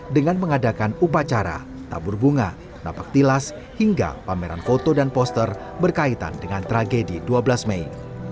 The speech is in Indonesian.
dengan mengadakan upacara tabur bunga napak tilas hingga pameran foto dan poster berkaitan dengan tragedi dua belas mei